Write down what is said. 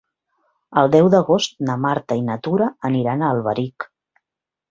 El deu d'agost na Marta i na Tura aniran a Alberic.